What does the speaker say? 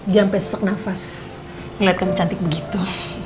dia sampai sesak nafas ngeliat kamu cantik begitu